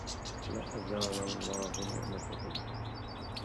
لا أزال اللَّه نعمته